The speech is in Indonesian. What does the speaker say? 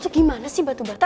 itu gimana sih batu bata